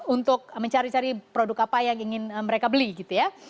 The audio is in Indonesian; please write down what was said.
untuk mencari cari produk apa yang ingin mereka beli gitu ya